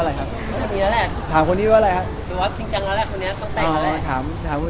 อ้าวถามคนนี้ก็ว่าอะไรครับ